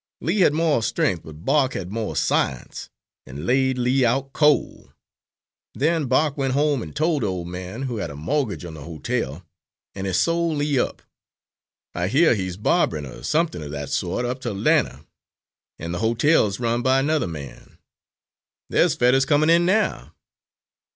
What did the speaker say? Lee had more strength, but Bark had more science, an' laid Lee out col'. Then Bark went home an' tol' the ole man, who had a mortgage on the ho tel, an' he sol' Lee up. I hear he's barberin' or somethin' er that sort up to Atlanta, an' the hotel's run by another man. There's Fetters comin' in now."